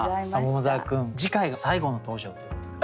桃沢君次回が最後の登場ということで。